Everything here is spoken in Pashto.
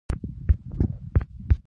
ښوونځی زموږ د خوښیو مرکز دی